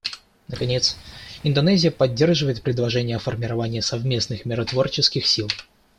Наконец, Индонезия поддерживает предложение о формировании совместных миротворческих сил.